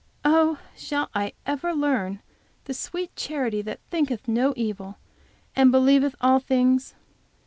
Oh, shall I ever learn the sweet charity that thinketh no evil, and believeth all things?